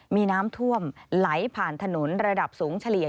มีน้ำท่วมไหลผ่านถนนระดับสูงเฉลี่ย